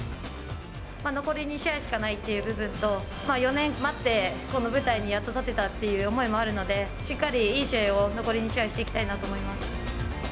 残り２試合しかないっていう部分と、４年待ってこの舞台にやっと立てたっていう思いもあるので、しっかりいい試合を残り２試合、していきたいなと思います。